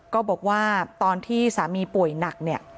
ก็บอกว่าตอนที่สามีป่วยหนักเนี่ย